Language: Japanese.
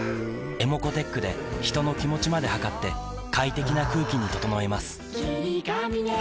ｅｍｏｃｏーｔｅｃｈで人の気持ちまで測って快適な空気に整えます